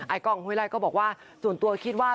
กล้องห้วยไล่ก็บอกว่าส่วนตัวคิดว่า